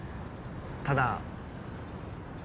ただ。